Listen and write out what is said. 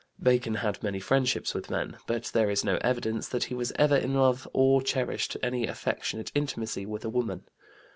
Bacon had many friendships with men, but there is no evidence that he was ever in love or cherished any affectionate intimacy with a woman.